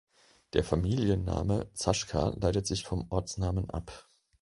Der Familienname Zaschka leitet sich vom Ortsnamen ab.